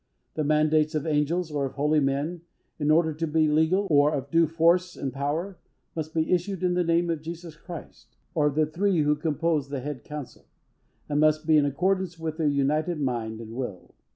The mandates of angels, or of holy men, in order to be legal, or of due force and power, must be issued in the name of Jesus Christ, or of the three who compose the Head Council; and must be in accordance with their united mind and will.